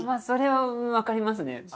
それはわかりますね。